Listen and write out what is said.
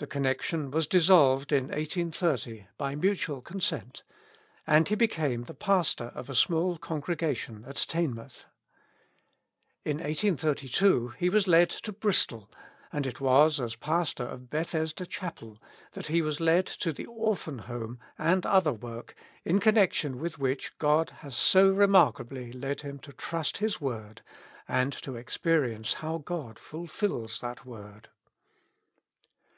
The connection was dissolved in 1830 by mutual consent, and he became the pastor of a small congregation at Teignmouth. In 1832, he was led to Bristol, and it was as pas tor of Bethesda Chapel that he was led to the Orphan Home and other work, in connection with which God has so remark 259 Notes. ably led him to trust His word and to experience how God ful fills that word.